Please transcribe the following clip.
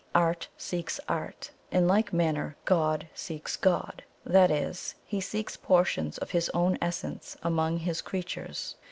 Art seeks art; in like manner God seeks God that is, He seeks portions of His own essence among His creatures.